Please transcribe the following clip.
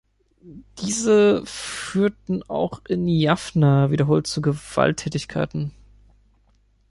Diese führten auch in Jaffna wiederholt zu Gewalttätigkeiten.